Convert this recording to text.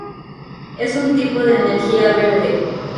Es un tipo de energía verde.